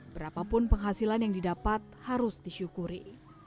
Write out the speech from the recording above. berapapun penghasilan yang didapat harus disyukuri